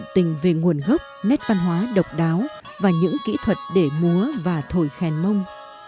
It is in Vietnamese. tình về nguồn gốc nét văn hóa độc đáo và những kỹ thuật để múa và thổi khen mông